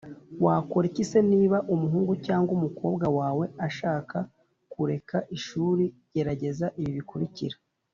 Wakora iki se niba umuhungu cyangwa umukobwa wawe ashaka kureka ishuri Gerageza ibi bikurikira